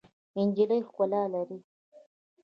نجلۍ ښکلا لري.